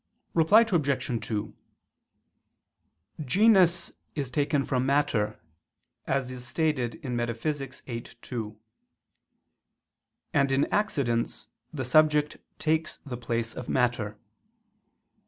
Reply Obj. 2: Genus is taken from matter, as is stated in Metaph. viii, 2; and in accidents the subject takes the place of matter.